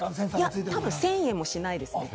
多分１０００円しないです。